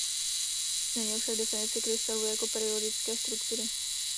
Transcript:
Změnil však definici krystalu jako periodické struktury.